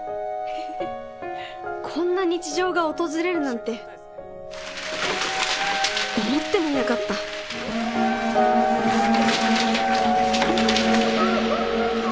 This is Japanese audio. こんな日常が訪れるなんて思ってもいなかったうわハッハハハ。